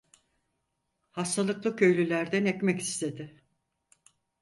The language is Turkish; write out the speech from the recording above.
Hastalıklı köylülerden ekmek istedi.